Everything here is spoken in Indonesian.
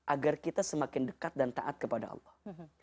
agar kita semakin dekat dan taat kepada allah